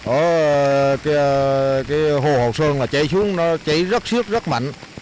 ở cái hồ học sơn là cháy xuống nó cháy rất xước rất mạnh